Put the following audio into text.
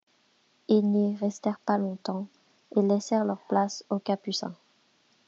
Ils n’y restèrent pas longtemps et laissèrent leur place aux capucins.